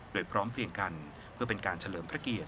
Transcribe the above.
โดยพร้อมเพียงกันเพื่อเป็นการเฉลิมพระเกียรติ